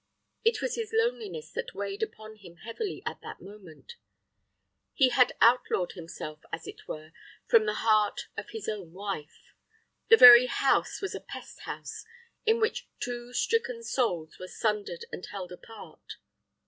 It was his loneliness that weighed upon him heavily at that moment. He had outlawed himself, as it were, from the heart of his own wife. The very house was a pest house in which two stricken souls were sundered and held apart.